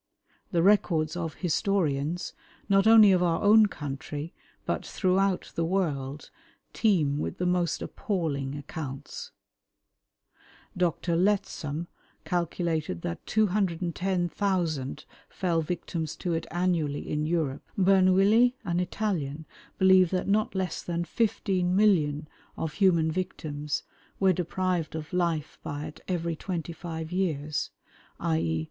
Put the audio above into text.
The records of historians, not only of our own country, but throughout the world, teem with the most appalling accounts. Dr. Lettsom calculated that 210,000 fell victims to it annually in Europe. Bernouilli, an Italian, believed that not less than 15,000,000 of human victims were deprived of life by it every twenty five years, _i.